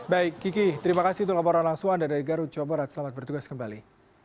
baik kiki terima kasih untuk laporan langsung anda dari garut jawa barat selamat bertugas kembali